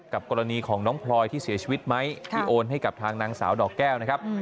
กรณีของน้องพลอยที่เสียชีวิตไหมที่โอนให้กับทางนางสาวดอกแก้วนะครับ